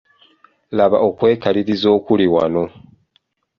Laba okwekaliriza okuli wano!